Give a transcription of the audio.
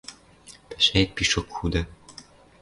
Пӓшӓэт пишок худа...